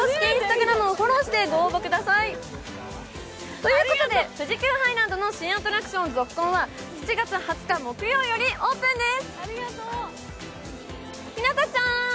ということで富士急ハイランドの新コースター、ＺＯＫＫＯＮは７月２０日木曜よりオープンです！